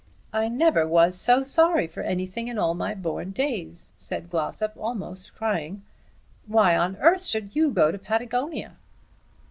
"I never was so sorry for anything in all my born days," said Glossop, almost crying. "Why on earth should you go to Patagonia?"